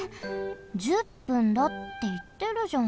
１０分だっていってるじゃん。